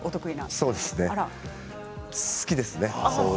そうですね好きですね。